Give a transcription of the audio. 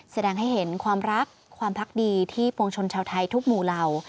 แสดงให้เห็นความรักความพักดีที่ปวงชนชาวไทยทุกหมู่เหล่า